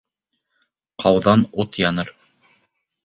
Ҡауҙан ут яныр